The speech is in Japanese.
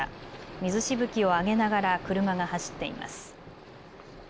水しぶきを上げながら車が走っています。